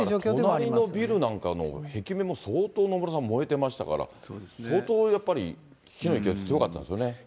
隣のビルなんかの壁面も相当、野村さん、燃えてましたから、相当やっぱり火の勢いは強かったんですね。